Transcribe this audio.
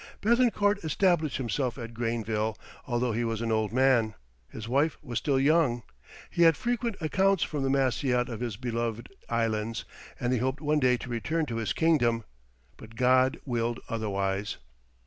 Béthencourt established himself at Grainville; although he was an old man, his wife was still young. He had frequent accounts from Maciot of his beloved islands, and he hoped one day to return to his kingdom, but God willed otherwise.